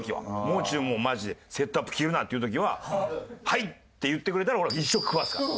もう中マジセットアップ着るなって言う時は「はい！」って言ってくれたら俺は一生食わすから。